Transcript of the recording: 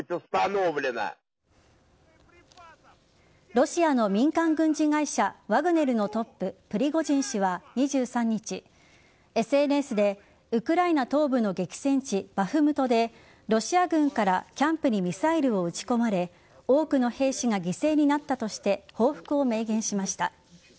ロシアの民間軍事会社ワグネルのトッププリゴジン氏は２３日ＳＮＳでウクライナ東部の激戦地バフムトでロシア軍からキャンプにミサイルを撃ち込まれ多くの兵士が犠牲になったとして報復を明言しました。